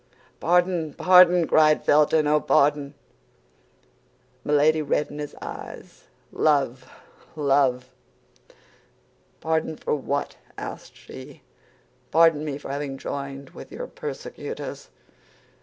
"Pardon! Pardon!" cried Felton, "oh, pardon!" Milady read in his eyes love! love! "Pardon for what?" asked she. "Pardon me for having joined with your persecutors."